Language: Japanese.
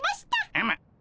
うむ。